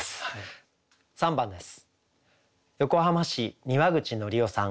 ３番です。